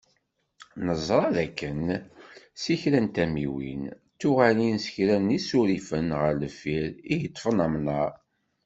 Neẓra d akken seg kra n tamiwin, d tuɣalin s kra n yisurifen ɣer deffir i yeṭṭfen amnaṛ.